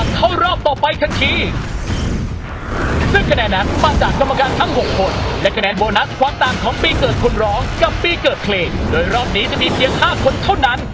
โดยรอบนี้จะมีเสียค่าคนเท่านั้น